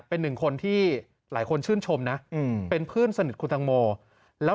เป็นหนึ่งคนที่หลายคนชื่นชมนะเป็นเพื่อนสนิทคุณตังโมแล้ว